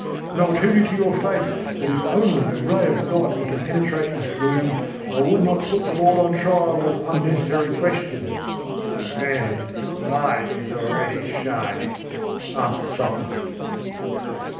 And I will tell you to your face that if only a ray of light were to penetrate this gloom, I would not put the Lord on trial with unnecessary questions " "Friend, the light is already shining," answered Socrates.